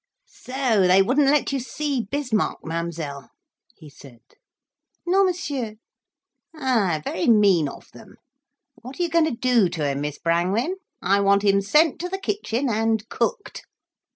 "So they wouldn't let you see Bismarck, Mademoiselle?" he said. "Non, Monsieur." "Ay, very mean of them. What are you going to do to him, Miss Brangwen? I want him sent to the kitchen and cooked."